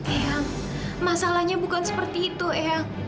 eang masalahnya bukan seperti itu eang